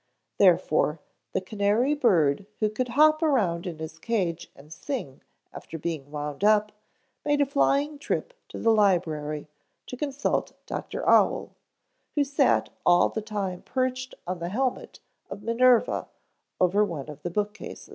Therefore, the canary bird who could hop around in his cage and sing after being wound up, made a flying trip to the library to consult Dr. Owl, who sat all the time perched on the helmet of Minerva over one of the book cases.